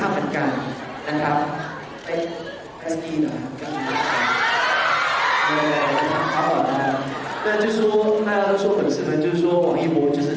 ปัมีความอยากจะไปรอข้างลุ่ม